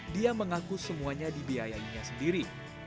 dia mengaku semuanya dibiayainya sendiri